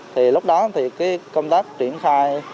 thì lúc đó thì cái công tác triển khai